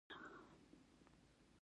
واټ تایلور او نور مهم غړي ووژل شول.